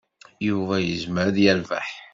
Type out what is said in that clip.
Yuba yezmer ad yerbeḥ.